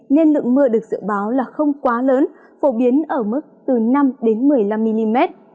nên lượng mưa được dự báo là không quá lớn phổ biến ở mức từ năm một mươi năm mm